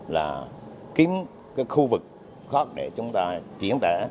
là kiếm cái khu vực khó để chúng ta tìm ra